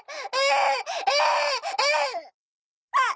あっ！